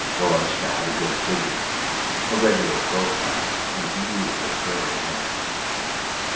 Verotchka had a good figure, a regular profile, and beautiful curly hair.